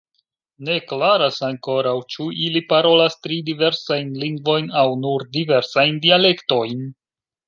Ne klaras ankoraŭ, ĉu ili parolas tri diversajn lingvojn aŭ nur diversajn dialektojn.